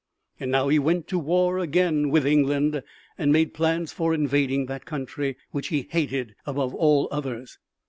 And now he went to war again with England and made plans for invading that country, which he hated above all others.